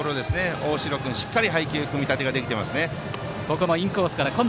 大城君、しっかりと配球組み立てができてますね。